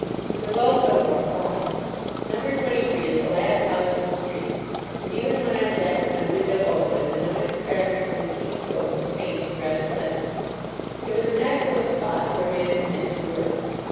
There was also more quiet. No. 23 is the last house in the street, and, even when I sat with my window open, the noise of traffic from the King's Road was faint and rather pleasant. It was an excellent spot for a man who meant to work.